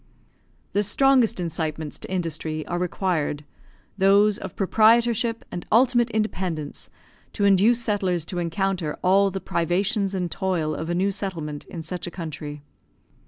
The strongest incitements to industry are required, those of proprietorship and ultimate independence, to induce settlers to encounter all the privations and toil of a new settlement in such a country.